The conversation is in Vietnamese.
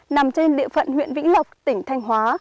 nằm trên địa phận huyện vĩnh lộc tỉnh thanh hóa